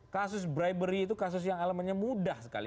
kasus bribery itu kasus yang elemennya mudah sekali